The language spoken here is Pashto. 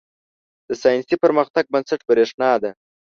• د ساینسي پرمختګ بنسټ برېښنا ده.